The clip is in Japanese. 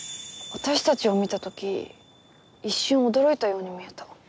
私たちを見た時一瞬驚いたように見えた。